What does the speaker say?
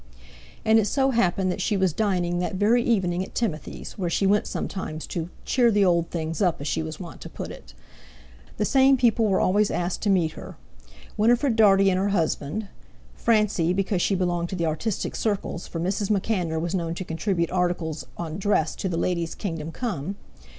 And it so happened that she was dining that very evening at Timothy's, where she went sometimes to "cheer the old things up," as she was wont to put it. The same people were always asked to meet her: Winifred Dartie and her husband; Francie, because she belonged to the artistic circles, for Mrs. MacAnder was known to contribute articles on dress to "The Ladies Kingdom Come".